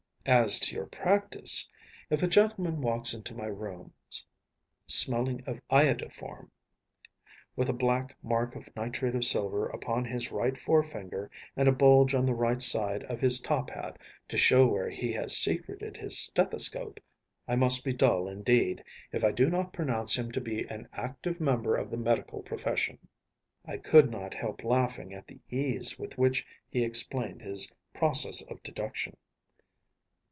As to your practice, if a gentleman walks into my rooms smelling of iodoform, with a black mark of nitrate of silver upon his right forefinger, and a bulge on the right side of his top hat to show where he has secreted his stethoscope, I must be dull, indeed, if I do not pronounce him to be an active member of the medical profession.‚ÄĚ I could not help laughing at the ease with which he explained his process of deduction.